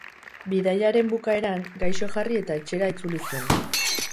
Bidaiaren bukaeran, gaixo jarri eta etxera itzuli zen.